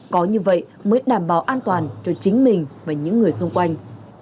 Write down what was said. có như vậy mới đảm bảo an toàn cho chính mình và những người xung quanh